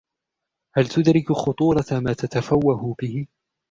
هل تُدركُ خطورة ما تتفوّهُ به؟